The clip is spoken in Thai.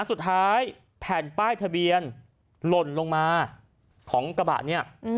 สุดท้ายแผ่นป้ายทะเบียนหล่นลงมาของกระบะเนี่ย